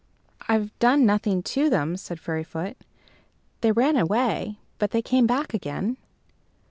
"I've done nothing to them," said Fairyfoot. "They ran away, but they came back again."